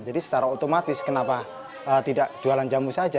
jadi secara otomatis kenapa tidak jualan jamu saja